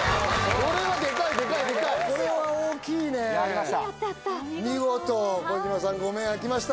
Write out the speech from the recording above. これは大きいねやりました！